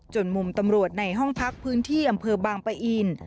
มุมตำรวจในห้องพักพื้นที่อำเภอบางปะอิน